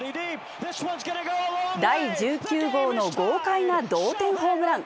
第１９号の豪快な同点ホームラン。